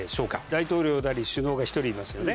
大統領なり首脳が１人いますよね。